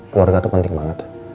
keluarga itu penting banget